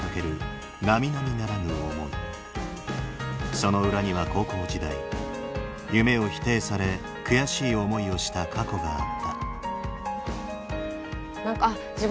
その裏には高校時代夢を否定され悔しい思いをした過去があった。